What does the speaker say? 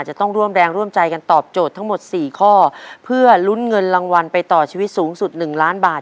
จะต้องร่วมแรงร่วมใจกันตอบโจทย์ทั้งหมดสี่ข้อเพื่อลุ้นเงินรางวัลไปต่อชีวิตสูงสุดหนึ่งล้านบาท